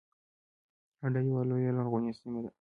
هډه یوه لویه لرغونې سیمه ده